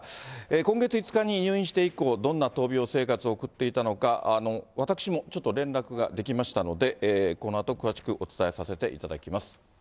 今月５日に入院して以降、どんな闘病生活を送っていたのか、私もちょっと連絡ができましたので、このあと詳しくお伝えさせていただきます。